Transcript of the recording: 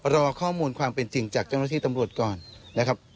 รอข้อมูลความเป็นจริงจากเจ้าหน้าที่ตำรวจก่อนนะครับ